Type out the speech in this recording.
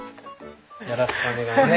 よろしくお願いします。